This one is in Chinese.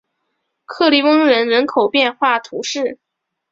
克利翁人口变化图示